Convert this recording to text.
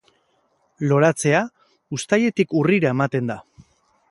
Loratzea uztailetik urrira ematen da.